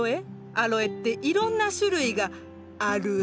アロエっていろんな種類がアルエ。